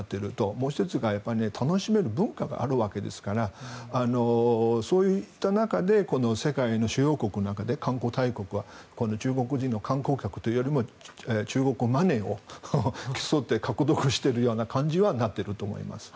もう１つが楽しめる文化があるわけですからそういった中で世界の主要国の中で観光大国は中国人の観光客というよりも中国マネーを競って獲得しているような感じにはなっていると思います。